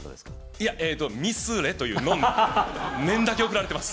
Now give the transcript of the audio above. いや「ミスれ」というのみ念だけ送られてます